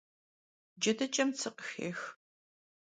Cedıç'em tsı khıxêx.